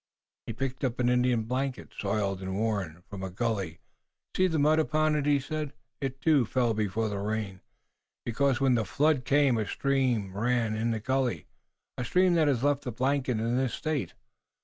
He picked an Indian blanket, soiled and worn, from a gulley. "See the mud upon it," he said. "It, too, fell before the rain, because when the flood came a stream ran in the gulley, a stream that has left the blanket in this state.